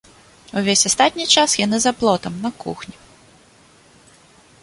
Увесь астатні час яны за плотам, на кухні.